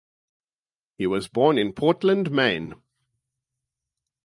He was born in Portland, Maine.